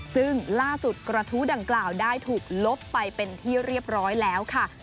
ซึ่งล่าสุดกระทู้ดังกล่าวได้ถูกลบไปเป็นที่เรียบร้อยแล้วค่ะ